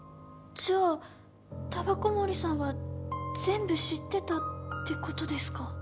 じゃあ煙草森さんは全部知ってたってことですか？